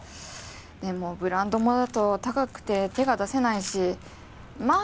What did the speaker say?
でもブランドものだと高くて手が出せないしまあ